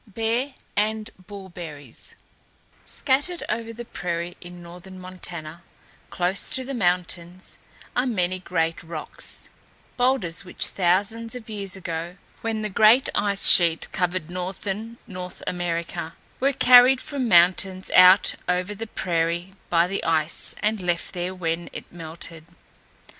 BEAR AND BULLBERRIES Scattered over the prairie in northern Montana, close to the mountains, are many great rocks boulders which thousands of years ago, when the great ice sheet covered northern North America, were carried from the mountains out over the prairie by the ice and left there when it melted.